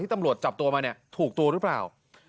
ตำรวจจับตัวมาเนี่ยถูกตัวหรือเปล่า